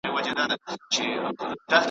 له مكتبه مي رهي كړله قمار ته .